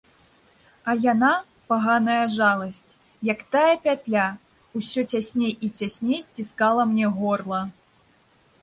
А яна, паганая жаласць, як тая пятля, усё цясней і цясней сціскала мне горла.